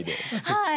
はい。